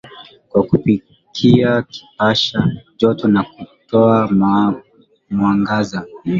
kwa kupikia kupasha joto na kutoa mwangaza